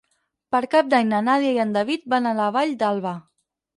Per Cap d'Any na Nàdia i en David van a la Vall d'Alba.